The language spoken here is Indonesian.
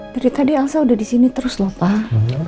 dari tadi elsa udah disini terus loh pak